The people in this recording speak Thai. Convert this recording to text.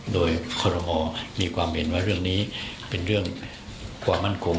โดยคอรมอมีความเห็นว่าเรื่องนี้เป็นเรื่องความมั่นคง